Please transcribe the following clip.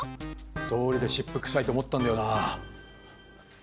どうりで湿布臭いと思ったんだよな。